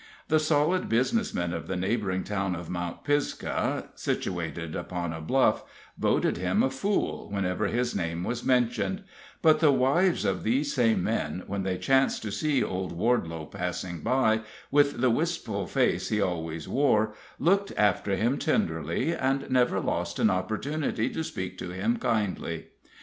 The solid business men of the neighboring town of Mount Pisgah, situated upon a bluff, voted him a fool whenever his name was mentioned; but the wives of these same men, when they chanced to see old Wardelow passing by, with the wistful face he always wore, looked after him tenderly, and never lost an opportunity to speak to him kindly.